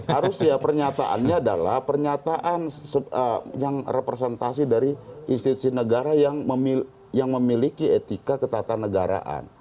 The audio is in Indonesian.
harusnya pernyataannya adalah pernyataan yang representasi dari institusi negara yang memiliki etika ketatanegaraan